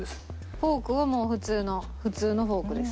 フォークはもう普通の普通のフォークです。